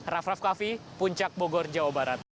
raff raff kaffi puncak bogor jawa barat